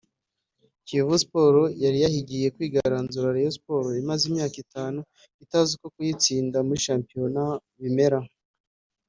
Kiyovu Sports yari yahigiye kwigaranzura Rayon Sports imaze imyaka itanu itazi uko kuyitsinda muri shampiyona bimera